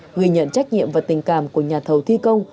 ghi nhận trách nhiệm và tình cảm của nhà thầu thi công